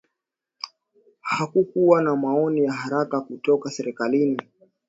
Hakukuwa na maoni ya haraka kutoka serikalini